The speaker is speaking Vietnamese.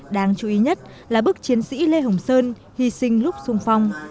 đáng chú ý nhất là bức chiến sĩ lê hồng sơn hy sinh lúc sung phong